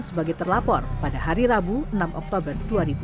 sebagai terlapor pada hari rabu enam oktober dua ribu dua puluh